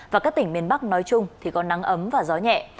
và các tỉnh miền bắc nói chung thì có nắng ấm và gió nhẹ